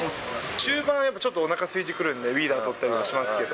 終盤、ちょっとおなかすいてくるんで、ウィダーとったりとかしますけど。